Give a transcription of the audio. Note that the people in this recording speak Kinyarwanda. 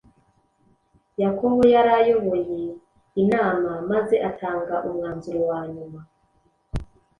Yakobo yari ayoboye inama maze atanga umwanzuro wa nyuma